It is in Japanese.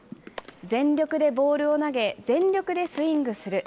全力でボールを投げ、全力でスイングする。